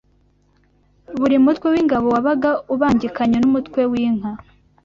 Buri mutwe w’ingabo wabaga ubangikanye n’umutwe w’inka